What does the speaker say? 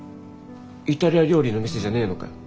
イタリア料理の店じゃねえのかよ？